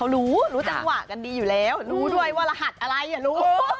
รู้รู้จังหวะกันดีอยู่แล้วรู้ด้วยว่ารหัสอะไรอ่ะรู้